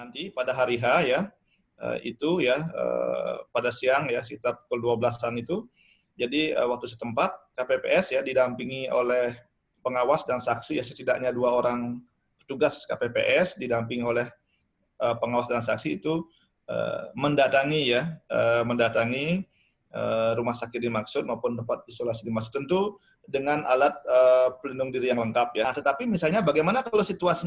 kpu menjelaskan kpu juga berkoordinasi dengan satgas covid sembilan belas untuk memberikan pelayanan khusus